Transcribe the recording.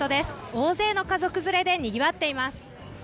大勢の家族連れでにぎわっています。